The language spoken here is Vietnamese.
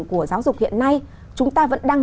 của giáo dục hiện nay chúng ta vẫn đang